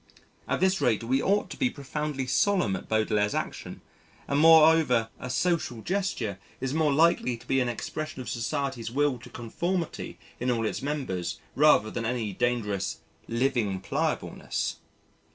At this rate we ought to be profoundly solemn at Baudelaire's action and moreover a "social gesture" is more likely to be an expression of society's will to conformity in all its members rather than any dangerous "living pliableness."